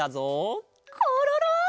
コロロ！